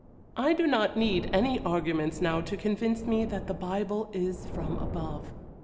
I do not need any arguments now to convince me that the Bible is from above.